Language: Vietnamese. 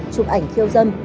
chụp ảnh khiêu dâm